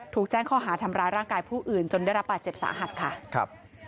ถูกแจ้งข้อหาทำร้ายร่างกายผู้อื่นจนได้รับบาดเจ็บสาหัสค่ะครับ